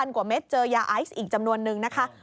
กว่าเม็ดเจอยาไอซ์อีกจำนวนนึงนะคะ